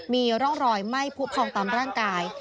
มีร่องรอยไหม้ผู้พองตามร่างกาย